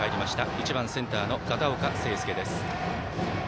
１番センターの片岡誠亮です。